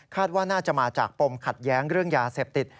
ว่าน่าจะมาจากปมขัดแย้งเรื่องยาเสพติด